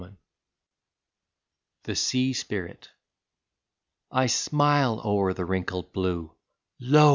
30 THE SEA SPIRIT I SMILE o'er the wrinkled blue — Lo!